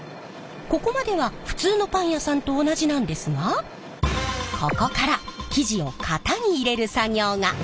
ここまでは普通のパン屋さんと同じなんですがここから生地を型に入れる作業が。